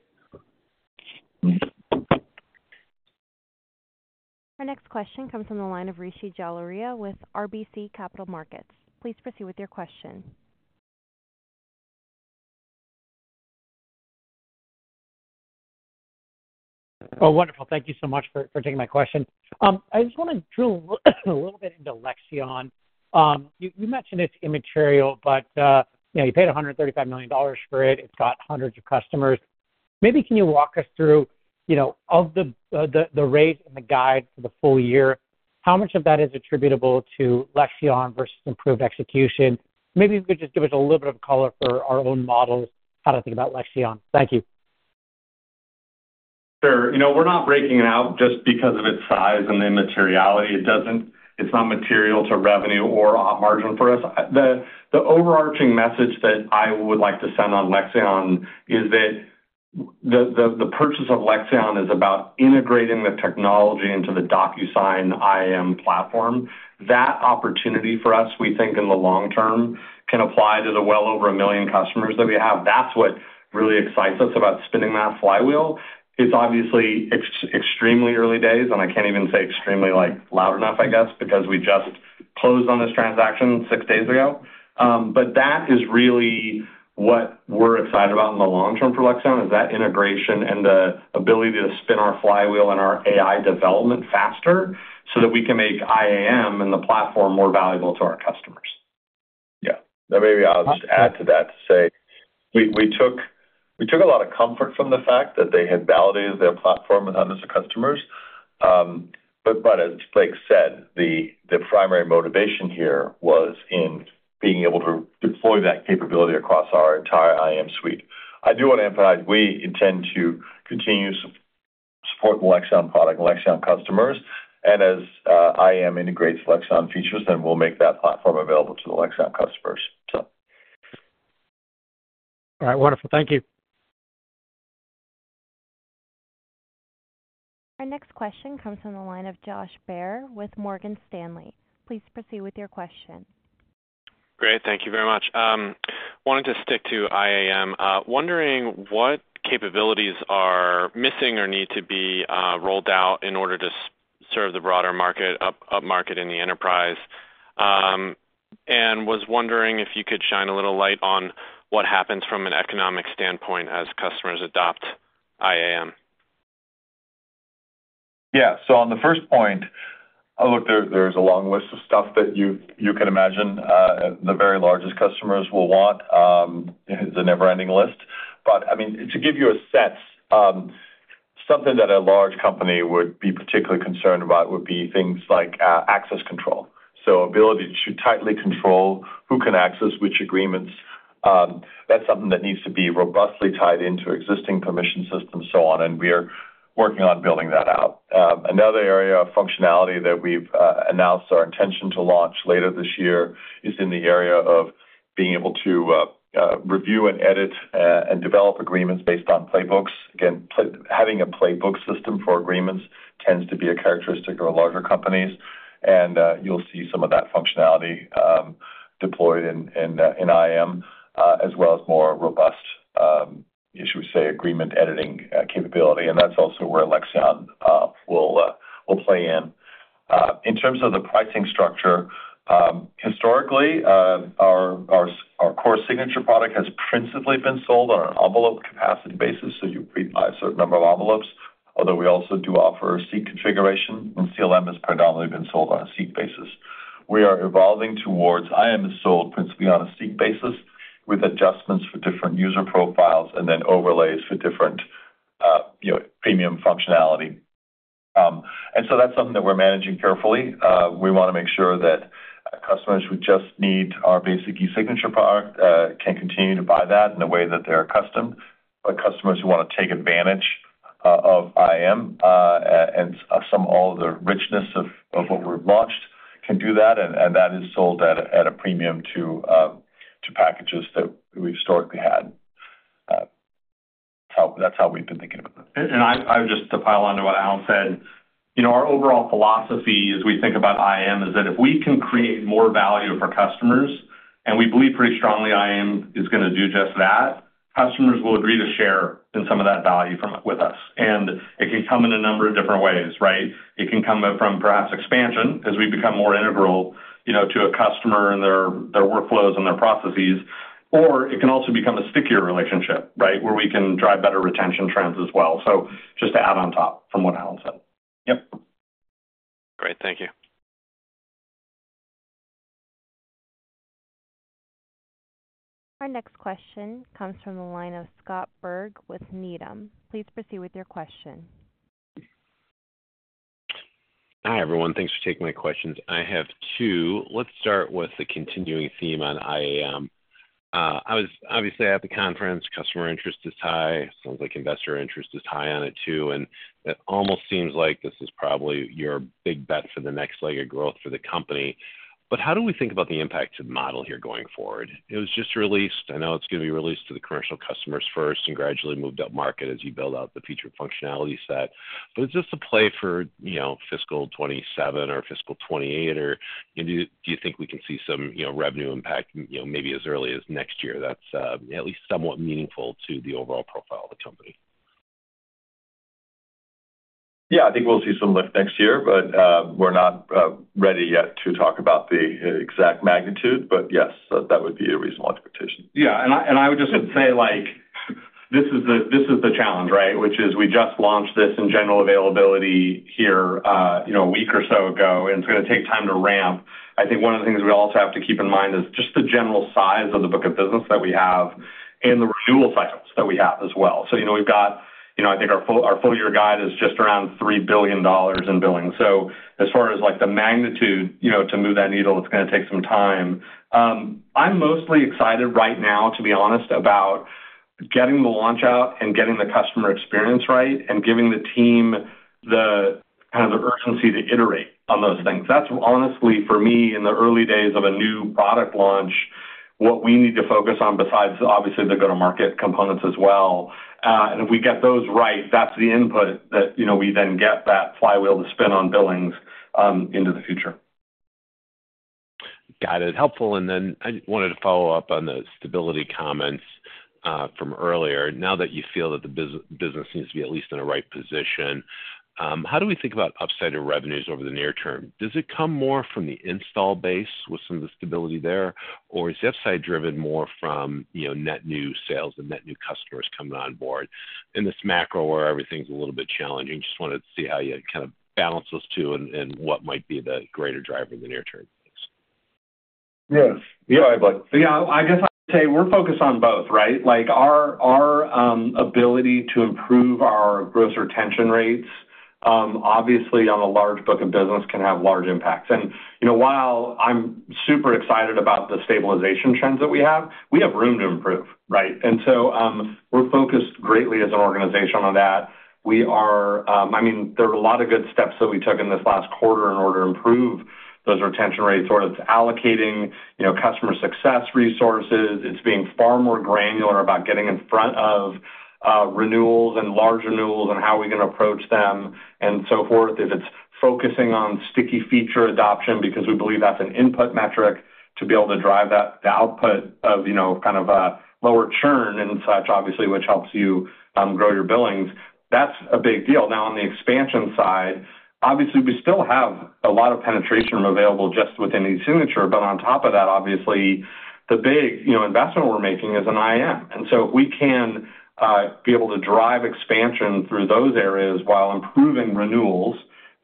Our next question comes from the line of Rishi Jaluria with RBC Capital Markets. Please proceed with your question. Oh, wonderful. Thank you so much for taking my question. I just wanna drill a little bit into Lexion. You mentioned it's immaterial, but you know, you paid $135 million for it. It's got hundreds of customers. Maybe can you walk us through, you know, of the rate and the guide for the full year, how much of that is attributable to Lexion versus improved execution? Maybe you could just give us a little bit of color for our own models, how to think about Lexion. Thank you. Sure. You know, we're not breaking it out just because of its size and the immateriality. It doesn't... It's not material to revenue or op margin for us. The overarching message that I would like to send on Lexion is that the purchase of Lexion is about integrating the technology into the DocuSign IAM platform. That opportunity for us, we think in the long term, can apply to the well over 1 million customers that we have. That's what really excites us about spinning that flywheel. It's obviously extremely early days, and I can't even say extremely, like, loud enough, I guess, because we just closed on this transaction 6 days ago. But that is really what we're excited about in the long term for Lexion, is that integration and the ability to spin our flywheel and our AI development faster, so that we can make IAM and the platform more valuable to our customers. Yeah. Maybe I'll just add to that to say, we took a lot of comfort from the fact that they had validated their platform with hundreds of customers. But as Blake said, the primary motivation here was in being able to deploy that capability across our entire IAM suite. I do want to emphasize, we intend to continue supporting Lexion product and Lexion customers, and as IAM integrates Lexion features, then we'll make that platform available to the Lexion customers, so. All right. Wonderful. Thank you. Our next question comes from the line of Josh Baer with Morgan Stanley. Please proceed with your question. Great. Thank you very much. Wanted to stick to IAM. Wondering what capabilities are missing or need to be rolled out in order to serve the broader market, upmarket in the enterprise. And was wondering if you could shine a little light on what happens from an economic standpoint as customers adopt IAM. Yeah. So on the first point, look, there, there's a long list of stuff that you can imagine, the very largest customers will want. It's a never-ending list. But I mean, to give you a sense, something that a large company would be particularly concerned about would be things like, access control. So ability to tightly control who can access which agreements, that's something that needs to be robustly tied into existing permission systems, so on, and we are working on building that out. Another area of functionality that we've announced our intention to launch later this year is in the area of being able to, review and edit, and develop agreements based on playbooks. Again, having a playbook system for agreements tends to be a characteristic of larger companies.... You'll see some of that functionality deployed in IAM, as well as more robust, should we say, agreement editing capability, and that's also where Lexion will play in. In terms of the pricing structure, historically, our core signature product has principally been sold on an envelope capacity basis, so you pre-buy a certain number of envelopes, although we also do offer a seat configuration, and CLM has predominantly been sold on a seat basis. We are evolving towards IAM is sold principally on a seat basis, with adjustments for different user profiles and then overlays for different, you know, premium functionality. So that's something that we're managing carefully. We wanna make sure that customers who just need our basic e-signature product can continue to buy that in the way that they're accustomed. But customers who wanna take advantage of IAM and of all of the richness of what we've launched can do that, and that is sold at a premium to packages that we've historically had. That's how we've been thinking about it. I would just to pile on to what Allan said, you know, our overall philosophy as we think about IAM is that if we can create more value for our customers, and we believe pretty strongly IAM is gonna do just that, customers will agree to share in some of that value from-with us, and it can come in a number of different ways, right? It can come from perhaps expansion as we become more integral, you know, to a customer and their workflows and their processes, or it can also become a stickier relationship, right? Where we can drive better retention trends as well. So just to add on top from what Allan said. Yep. Great. Thank you. Our next question comes from the line of Scott Berg with Needham. Please proceed with your question. Hi, everyone, thanks for taking my questions. I have two. Let's start with the continuing theme on IAM. I was obviously at the conference, customer interest is high. Sounds like investor interest is high on it, too, and it almost seems like this is probably your big bet for the next leg of growth for the company. But how do we think about the impact to the model here going forward? It was just released. I know it's gonna be released to the commercial customers first and gradually moved up market as you build out the future functionality set. But is this a play for, you know, fiscal 2027 or fiscal 2028, or do you think we can see some, you know, revenue impact, you know, maybe as early as next year, that's at least somewhat meaningful to the overall profile of the company? Yeah, I think we'll see some lift next year, but we're not ready yet to talk about the exact magnitude, but yes, that would be a reasonable expectation. Yeah, and I, and I would just say, like, this is the, this is the challenge, right? Which is we just launched this in general availability here, you know, a week or so ago, and it's gonna take time to ramp. I think one of the things we also have to keep in mind is just the general size of the book of business that we have and the renewal cycles that we have as well. So, you know, we've got, you know, I think our full, our full-year guide is just around $3 billion in billing. So as far as, like, the magnitude, you know, to move that needle, it's gonna take some time. I'm mostly excited right now, to be honest, about getting the launch out and getting the customer experience right and giving the team the kind of the urgency to iterate on those things. That's honestly, for me, in the early days of a new product launch, what we need to focus on, besides, obviously, the go-to-market components as well. And if we get those right, that's the input that, you know, we then get that flywheel to spin on billings into the future. Got it. Helpful. Then I wanted to follow up on the stability comments from earlier. Now that you feel that the business seems to be at least in a right position, how do we think about upside in revenues over the near term? Does it come more from the install base with some of the stability there, or is the upside driven more from, you know, net new sales and net new customers coming on board in this macro where everything's a little bit challenging? Just wanted to see how you kind of balance those two and what might be the greater driver in the near term. Thanks. Yes. Go ahead, Bud. Yeah, I guess I'd say we're focused on both, right? Like, our ability to improve our gross retention rates, obviously, on a large book of business, can have large impacts. And, you know, while I'm super excited about the stabilization trends that we have, we have room to improve, right? And so, we're focused greatly as an organization on that. We are... I mean, there are a lot of good steps that we took in this last quarter in order to improve those retention rates, whether it's allocating, you know, customer success resources. It's being far more granular about getting in front of, renewals and large renewals and how we're gonna approach them, and so forth. If it's focusing on sticky feature adoption because we believe that's an input metric to be able to drive that, the output of, you know, kind of a lower churn and such, obviously, which helps you, grow your billings, that's a big deal. Now, on the expansion side, obviously, we still have a lot of penetration available just within eSignature, but on top of that, obviously, the big, you know, investment we're making is in IM. And so if we can, be able to drive expansion through those areas while improving renewals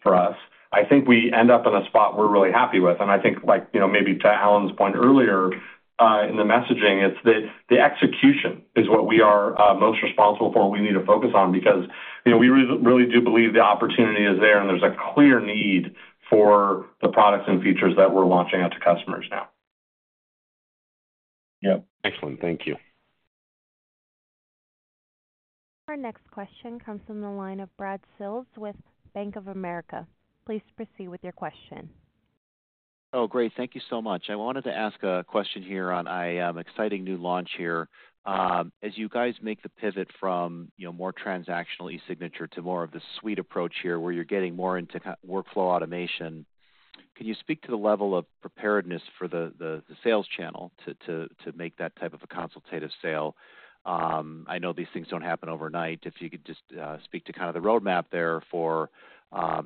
for us, I think we end up in a spot we're really happy with. And I think, like, you know, maybe to Allan's point earlier, in the messaging, it's that the execution is what we are, most responsible for, and we need to focus on. Because, you know, we really do believe the opportunity is there, and there's a clear need for the products and features that we're launching out to customers now. Yep. Excellent. Thank you. Our next question comes from the line of Bradley Sills with Bank of America. Please proceed with your question.... Oh, great. Thank you so much. I wanted to ask a question here on IAM, exciting new launch here. As you guys make the pivot from, you know, more transactional e-signature to more of the suite approach here, where you're getting more into key workflow automation, can you speak to the level of preparedness for the sales channel to make that type of a consultative sale? I know these things don't happen overnight. If you could just speak to kind of the roadmap there for,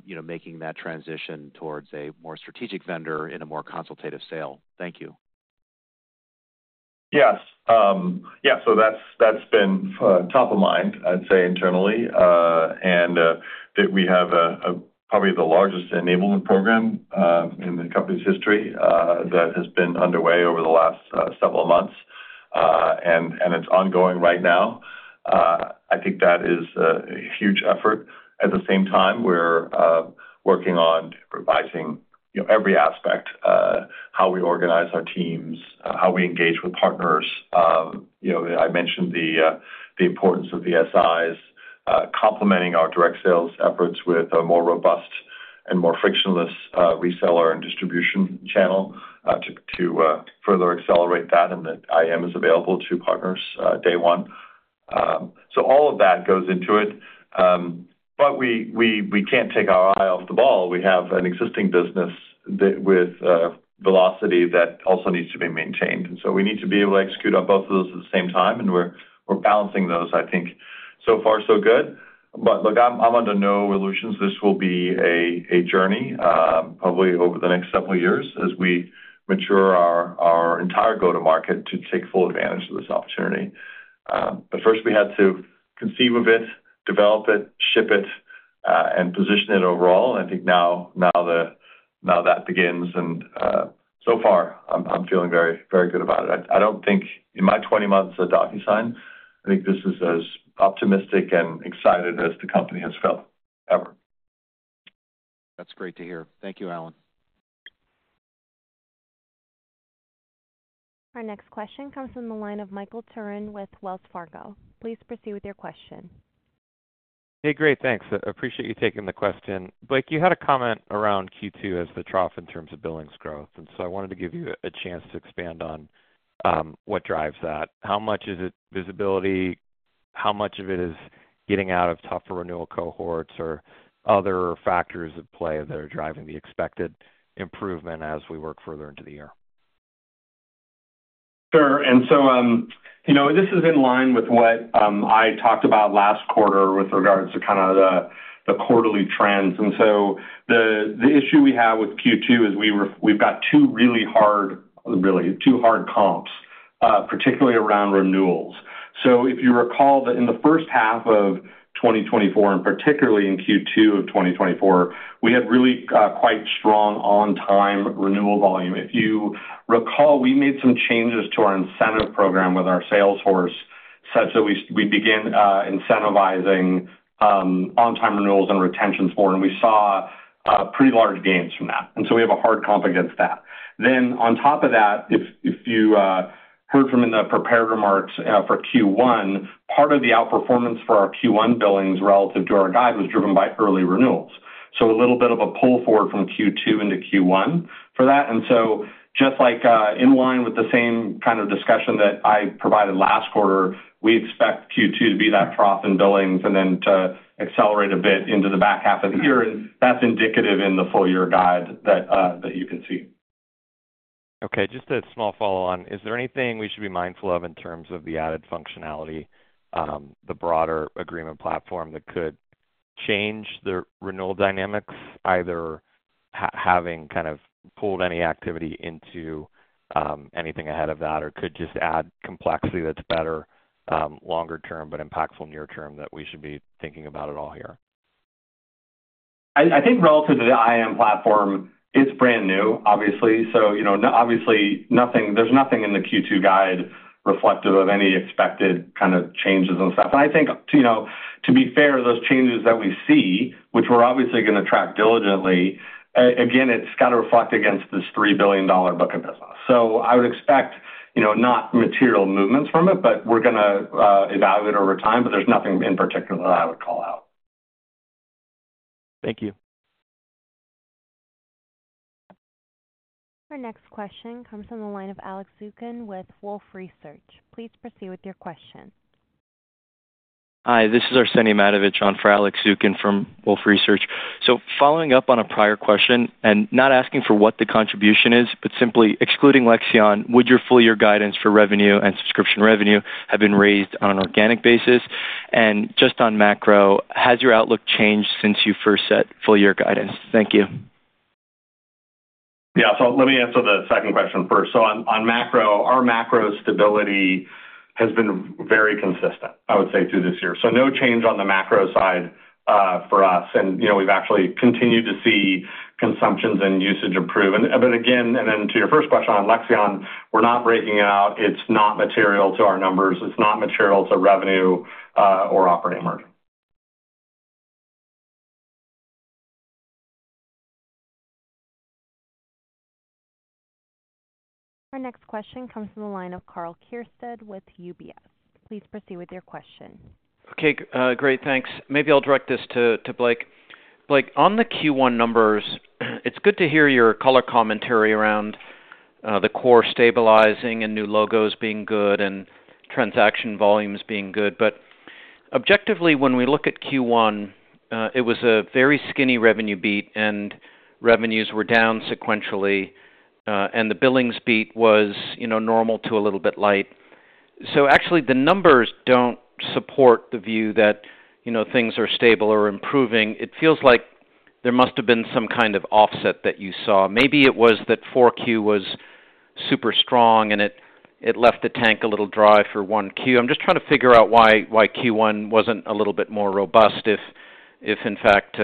you know, making that transition towards a more strategic vendor in a more consultative sale. Thank you. Yes. Yeah, so that's, that's been top of mind, I'd say, internally, and that we have probably the largest enablement program in the company's history that has been underway over the last several months. It's ongoing right now. I think that is a huge effort. At the same time, we're working on revising, you know, every aspect, how we organize our teams, how we engage with partners. You know, I mentioned the importance of the SIs complementing our direct sales efforts with a more robust and more frictionless reseller and distribution channel to further accelerate that, and that IM is available to partners day one. So all of that goes into it. But we can't take our eye off the ball. We have an existing business with velocity that also needs to be maintained, and so we need to be able to execute on both of those at the same time, and we're balancing those. I think so far so good, but look, I'm under no illusions. This will be a journey, probably over the next several years as we mature our entire go-to-market to take full advantage of this opportunity. But first we had to conceive of it, develop it, ship it, and position it overall. And I think now that begins, and so far, I'm feeling very, very good about it. I don't think in my 20 months at DocuSign, I think this is as optimistic and excited as the company has felt, ever. That's great to hear. Thank you, Allan. Our next question comes from the line of Michael Turrin with Wells Fargo. Please proceed with your question. Hey, great, thanks. I appreciate you taking the question. Blake, you had a comment around Q2 as the trough in terms of billings growth, and so I wanted to give you a chance to expand on what drives that. How much is it visibility? How much of it is getting out of tougher renewal cohorts or other factors at play that are driving the expected improvement as we work further into the year? Sure, and so, you know, this is in line with what I talked about last quarter with regards to kind of the quarterly trends. And so the issue we have with Q2 is we've got two really hard comps, particularly around renewals. So if you recall that in the first half of 2024, and particularly in Q2 of 2024, we had really quite strong on-time renewal volume. If you recall, we made some changes to our incentive program with our sales force, such that we began incentivizing on-time renewals and retention score, and we saw pretty large gains from that. And so we have a hard comp against that. Then on top of that, if you heard from in the prepared remarks for Q1, part of the outperformance for our Q1 billings relative to our guide was driven by early renewals. So a little bit of a pull forward from Q2 into Q1 for that. And so just like in line with the same kind of discussion that I provided last quarter, we expect Q2 to be that trough in billings and then to accelerate a bit into the back half of the year, and that's indicative in the full year guide that you can see. Okay, just a small follow-on. Is there anything we should be mindful of in terms of the added functionality, the broader agreement platform that could change the renewal dynamics, either having kind of pulled any activity into anything ahead of that, or could just add complexity that's better longer term, but impactful near term, that we should be thinking about at all here? I think relative to the IAM platform, it's brand new, obviously. So, you know, obviously, nothing, there's nothing in the Q2 guide reflective of any expected kind of changes and stuff. And I think, you know, to be fair, those changes that we see, which we're obviously going to track diligently, again, it's got to reflect against this $3 billion book of business. So I would expect, you know, not material movements from it, but we're gonna evaluate over time, but there's nothing in particular that I would call out. Thank you. Our next question comes from the line of Alex Zukin with Wolfe Research. Please proceed with your question. Hi, this is Arsenije Matovic on for Alex Zukin from Wolfe Research. So following up on a prior question, and not asking for what the contribution is, but simply excluding Lexion, would your full year guidance for revenue and subscription revenue have been raised on an organic basis? And just on macro, has your outlook changed since you first set full year guidance? Thank you. Yeah. So let me answer the second question first. So on macro, our macro stability has been very consistent, I would say, through this year. So no change on the macro side for us, and, you know, we've actually continued to see consumptions and usage improve. But again, then to your first question on Lexion, we're not breaking it out. It's not material to our numbers. It's not material to revenue or operating margin. ...Our next question comes from the line of Karl Keirstead with UBS. Please proceed with your question. Okay, great, thanks. Maybe I'll direct this to, to Blake. Blake, on the Q1 numbers, it's good to hear your color commentary around the core stabilizing and new logos being good and transaction volumes being good. But objectively, when we look at Q1, it was a very skinny revenue beat, and revenues were down sequentially, and the billings beat was, you know, normal to a little bit light. So actually, the numbers don't support the view that, you know, things are stable or improving. It feels like there must have been some kind of offset that you saw. Maybe it was that 4Q was super strong, and it, it left the tank a little dry for 1Q. I'm just trying to figure out why Q1 wasn't a little bit more robust, if, in fact,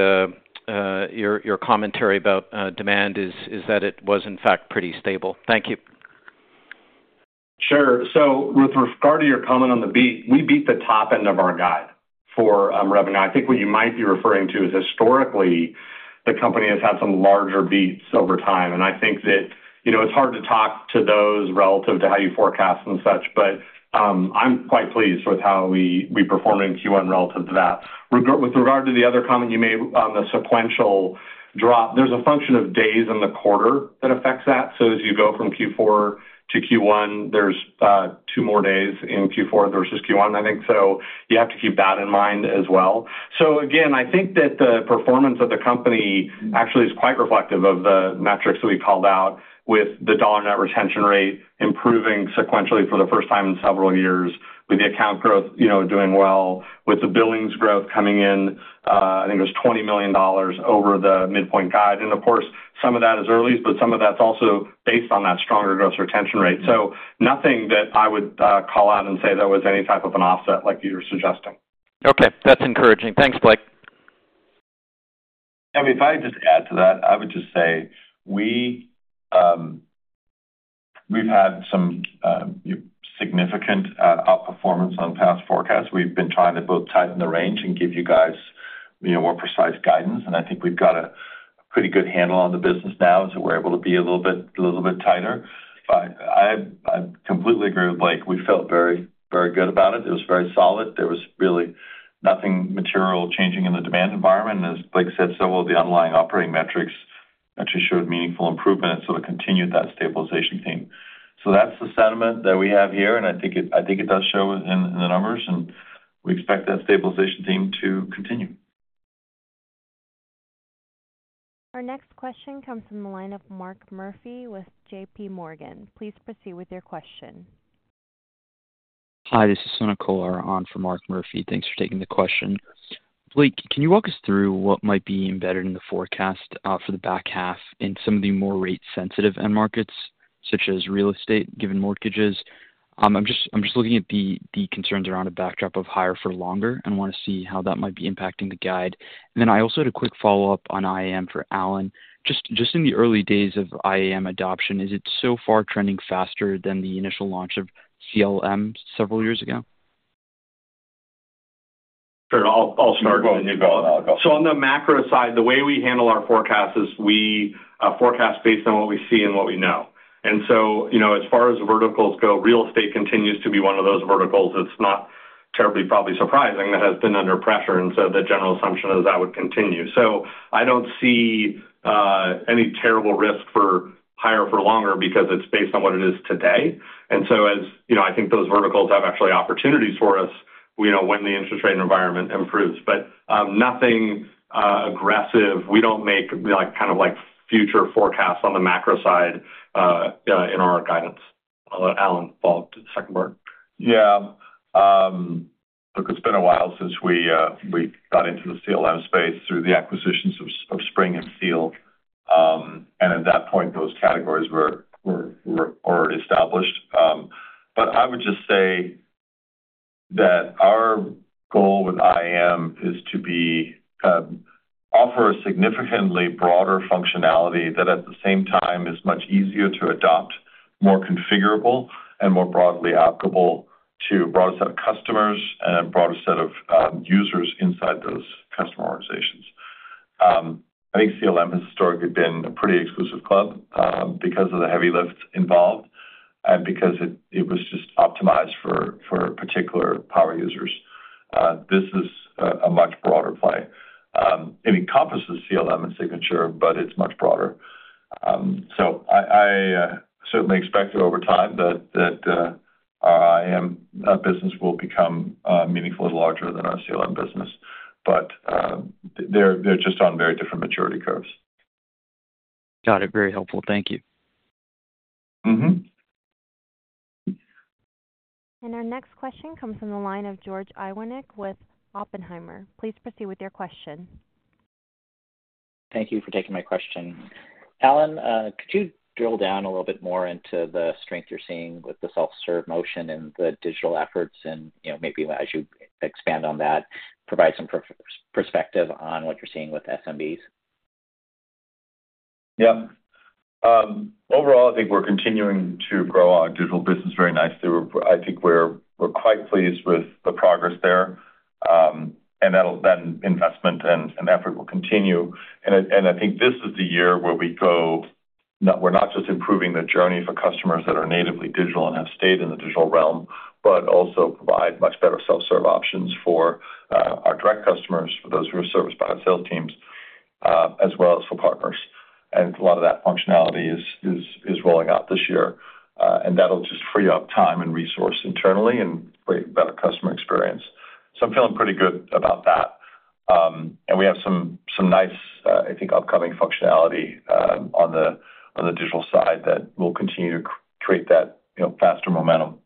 your commentary about demand is that it was, in fact, pretty stable. Thank you. Sure. So with regard to your comment on the beat, we beat the top end of our guide for revenue. I think what you might be referring to is, historically, the company has had some larger beats over time, and I think that, you know, it's hard to talk to those relative to how you forecast and such, but I'm quite pleased with how we performed in Q1 relative to that. With regard to the other comment you made on the sequential drop, there's a function of days in the quarter that affects that. So as you go from Q4 to Q1, there's two more days in Q4 versus Q1, I think. So you have to keep that in mind as well. So again, I think that the performance of the company actually is quite reflective of the metrics that we called out, with the Dollar Net Retention rate improving sequentially for the first time in several years, with the account growth, you know, doing well, with the billings growth coming in, I think it was $20 million over the midpoint guide. And of course, some of that is early, but some of that's also based on that stronger Gross Retention rate. So nothing that I would call out and say there was any type of an offset like you're suggesting. Okay. That's encouraging. Thanks, Blake. If I just add to that, I would just say we, we've had some significant outperformance on past forecasts. We've been trying to both tighten the range and give you guys, you know, more precise guidance, and I think we've got a pretty good handle on the business now, so we're able to be a little bit, little bit tighter. But I, I completely agree with Blake. We felt very, very good about it. It was very solid. There was really nothing material changing in the demand environment, and as Blake said, so all the underlying operating metrics actually showed meaningful improvement, so it continued that stabilization theme. So that's the sentiment that we have here, and I think it, I think it does show in, in the numbers, and we expect that stabilization theme to continue. Our next question comes from the line of Mark Murphy with J.P. Morgan. Please proceed with your question. Hi, this is Simeon Akinola on for Mark Murphy. Thanks for taking the question. Blake, can you walk us through what might be embedded in the forecast, for the back half in some of the more rate-sensitive end markets, such as real estate, given mortgages? I'm just, I'm just looking at the, the concerns around a backdrop of higher for longer and want to see how that might be impacting the guide. And then I also had a quick follow-up on IAM for Allan. Just, just in the early days of IAM adoption, is it so far trending faster than the initial launch of CLM several years ago? Sure. I'll start, and then you go. So on the macro side, the way we handle our forecasts is we forecast based on what we see and what we know. And so, you know, as far as verticals go, real estate continues to be one of those verticals, that's not terribly, probably surprising, that has been under pressure, and so the general assumption is that would continue. So I don't see any terrible risk for higher for longer because it's based on what it is today. And so you know, I think those verticals have actually opportunities for us, you know, when the interest rate environment improves, but nothing aggressive. We don't make, like, kind of like future forecasts on the macro side in our guidance. I'll let Allan talk the second part. Yeah. Look, it's been a while since we got into the CLM space through the acquisitions of SpringCM and Seal. And at that point, those categories were already established. But I would just say that our goal with IAM is to offer a significantly broader functionality that, at the same time, is much easier to adopt, more configurable, and more broadly applicable to a broader set of customers and a broader set of users inside those customer organizations. I think CLM has historically been a pretty exclusive club, because of the heavy lift involved and because it was just optimized for particular power users. This is a much broader play. It encompasses CLM and signature, but it's much broader. So I certainly expect that over time that IAM business will become meaningfully larger than our CLM business, but they're just on very different maturity curves. Got it. Very helpful. Thank you. Mm-hmm. Our next question comes from the line of George Iwanyc with Oppenheimer. Please proceed with your question. Thank you for taking my question. Allan, could you drill down a little bit more into the strength you're seeing with the self-serve motion and the digital efforts and, you know, maybe as you expand on that, provide some perspective on what you're seeing with SMBs? Yeah. Overall, I think we're continuing our digital business very nice. I think we're quite pleased with the progress there. And that'll, that investment and effort will continue. And I think this is the year where we go, we're not just improving the journey for customers that are natively digital and have stayed in the digital realm, but also provide much better self-serve options for our direct customers, for those who are serviced by our sales teams, as well as for partners. And a lot of that functionality is rolling out this year, and that'll just free up time and resource internally and create a better customer experience. So I'm feeling pretty good about that. And we have some nice, I think, upcoming functionality on the digital side that will continue to create that, you know, faster momentum.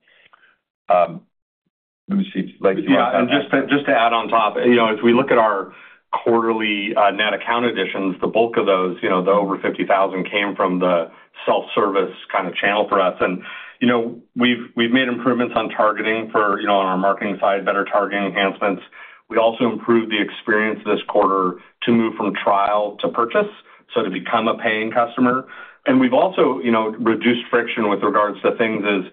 Let me see, like- Yeah, and just to add on top, you know, as we look at our quarterly net account additions, the bulk of those, you know, the over 50,000, came from the self-service kind of channel for us. And, you know, we've made improvements on targeting for, you know, on our marketing side, better targeting enhancements. We also improved the experience this quarter to move from trial to purchase, so to become a paying customer. And we've also, you know, reduced friction with regards to things as,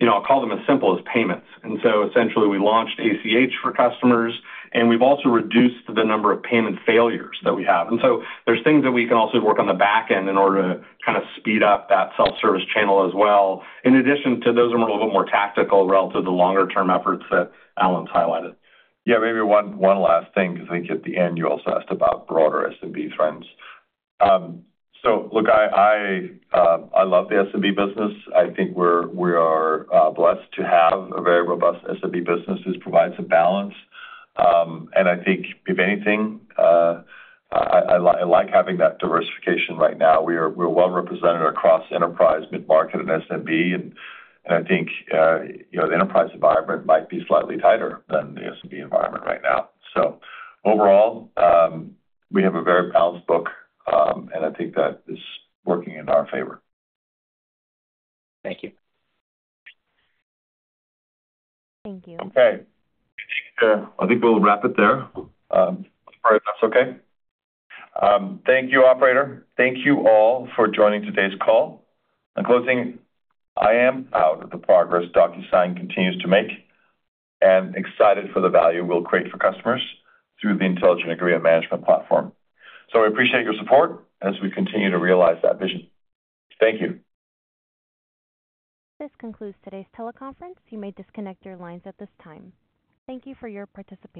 you know, I'll call them as simple as payments. And so essentially, we launched ACH for customers, and we've also reduced the number of payment failures that we have. And so there's things that we can also work on the back end in order to kind of speed up that self-service channel as well, in addition to those are a little more tactical relative to longer term efforts that Alan's highlighted. Yeah, maybe one last thing, because I think the analysts asked about broader SMB trends. So look, I love the SMB business. I think we're blessed to have a very robust SMB business, which provides a balance. And I think if anything, I like having that diversification right now. We're well represented across enterprise, mid-market, and SMB, and I think, you know, the enterprise environment might be slightly tighter than the SMB environment right now. So overall, we have a very balanced book, and I think that is working in our favor. Thank you. Thank you. Okay. I think we'll wrap it there, if that's okay. Thank you, operator. Thank you all for joining today's call. In closing, I am proud of the progress DocuSign continues to make, and excited for the value we'll create for customers through the Intelligent Agreement Management Platform. So I appreciate your support as we continue to realize that vision. Thank you. This concludes today's teleconference. You may disconnect your lines at this time. Thank you for your participation.